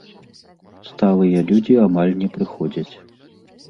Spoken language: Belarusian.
Сталыя людзі амаль не прыходзяць.